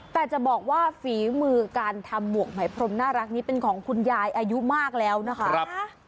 แต่จะบอกว่าฝีมือการทำหมวกไหมพรมน่ารักนี้เป็นของคุณยายอายุมากแล้วนะคะ